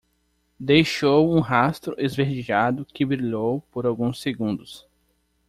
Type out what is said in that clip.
Deixou um rastro esverdeado que brilhou por alguns segundos.